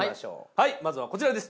はいまずはこちらです。